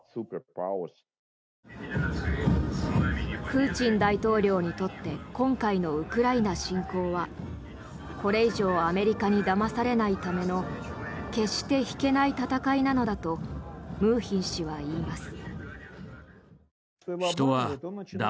プーチン大統領にとって今回のウクライナ侵攻はこれ以上アメリカにだまされないための決して引けない戦いなのだとムーヒン氏はいいます。